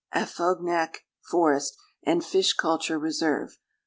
=Afognak Forest and Fish Culture Reserve.